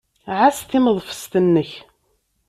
Ɛass timeḍfest-nnek.